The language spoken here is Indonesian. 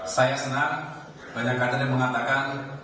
saya senang banyak kader yang mengatakan